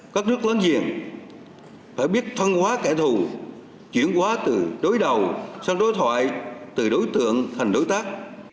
các nước lớn diện phải biết phân hóa kẻ thù chuyển hóa từ đối đầu sang đối thoại từ đối tượng thành đối tác